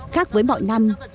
khác với mọi năm